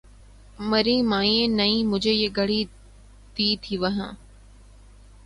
میریں مامیںں نیں مجھیں یہ گھڑی دی تھی وہاں